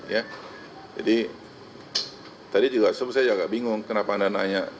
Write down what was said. ya jadi tadi juga saya agak bingung kenapa anda nanya